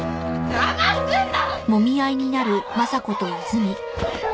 邪魔すんな！